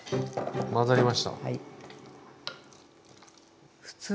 混ざりました。